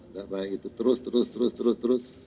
gak baik itu terus terus terus terus terus